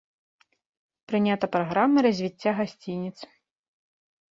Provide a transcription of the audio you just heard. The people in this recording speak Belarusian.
Прынята праграма развіцця гасцініц.